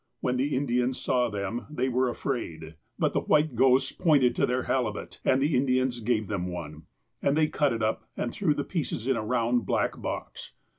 When the In dians saw them, they were afraid, but the white ghosts pointed to their halibut, and the Indians gave them one, and they cut it up, and threw the pieces in a round black box.